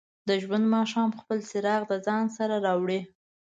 د ژوند ماښام خپل څراغ د ځان سره راوړي.